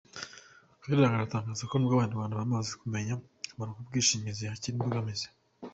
Kayiranga atangaza ko n’ubwo Abanyarwanda bamaze kumenya akamaro k’ubwishingizi, hakiri imbogamizi.